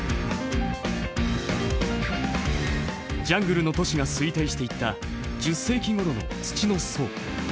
ジャングルの都市が衰退していった１０世紀頃の土の層。